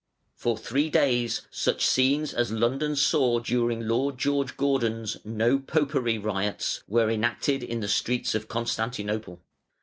For three days such scenes as London saw during Lord George Gordon's "No Popery" riots were enacted in the streets of Constantinople.